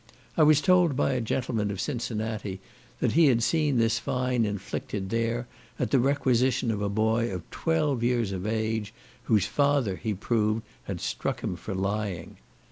I was told by a gentleman of Cincinnati, that he had seen this fine inflicted there, at the requisition of a boy of twelve years of age, whose father, he proved, had struck him for lying.